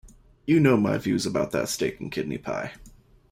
You know my views about that steak-and-kidney pie.